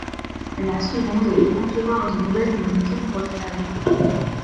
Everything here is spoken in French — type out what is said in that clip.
La seconde est de concevoir une nouvelle molécule brevetable.